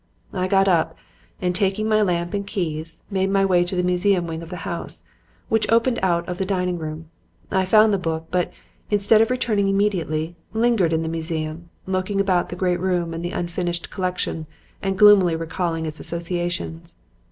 "I got up, and, taking my lamp and keys, made my way to the museum wing of the house, which opened out of the dining room. I found the book, but, instead of returning immediately, lingered in the museum, looking about the great room and at the unfinished collection and gloomily recalling its associations.